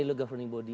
saya sebagai pembicara